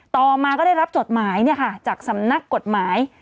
ต่อมาก็ได้รับจดหมายจากสำนักกฎหมาย